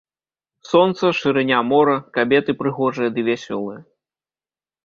Сонца, шырыня мора, кабеты прыгожыя ды вясёлыя.